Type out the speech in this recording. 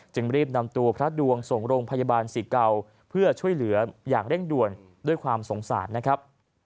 รีบนำตัวพระดวงส่งโรงพยาบาลศรีเก่าเพื่อช่วยเหลืออย่างเร่งด่วนด้วยความสงสารนะครับ